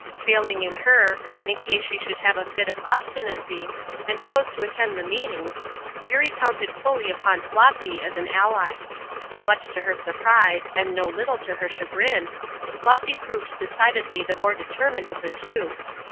Failing in her, in case she should have a fit of obstinacy, and choose to attend the meetings, Eurie counted fully upon Flossy as an ally. Much to her surprise, and no little to her chagrin, Flossy proved decidedly the more determined of the two.